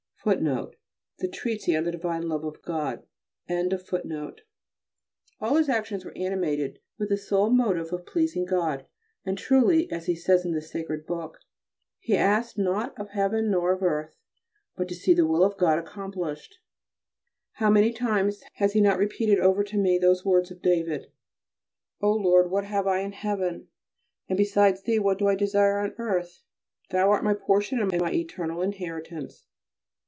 "[B] All his actions were animated with the sole motive of pleasing God, and truly (as he says in this sacred book) he asked nought of heaven nor of earth but to see the will of God accomplished. How many times has he not repeated over to me those words of David: "O! Lord, what have I in heaven, and besides Thee what do I desire on earth? Thou art my portion and my eternal inheritance."